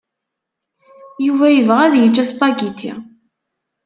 Yuba yebɣa ad yečč aspagiti.